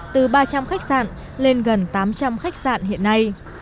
từ ba trăm linh khách sạn lên gần tám trăm linh khách sạn hiện nay